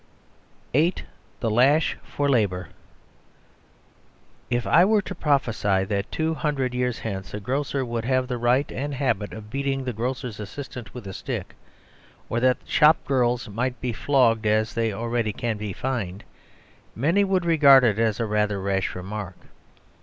VIII. THE LASH FOR LABOUR If I were to prophesy that two hundred years hence a grocer would have the right and habit of beating the grocer's assistant with a stick, or that shop girls might be flogged, as they already can be fined, many would regard it as rather a rash remark.